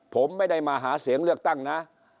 ผมไม่ได้มาหาเสียงเลือกตั้งนะ